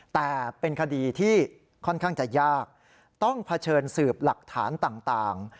แต่เป็นคดีที่ค่อนข้างจะยากต้องเผชิญสืบหลักฐานต่าง